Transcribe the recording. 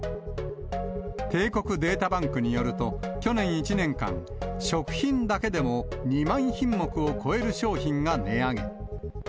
帝国データバンクによると、去年１年間、食品だけでも２万品目を超える商品が値上げ。